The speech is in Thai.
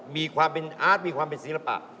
มีความเป็นอาร์ตมีความเป็นศิลปะ